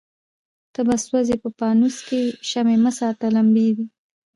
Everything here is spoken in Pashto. ته به سوځې په پانوس کي شمعي مه ساته لمبې دي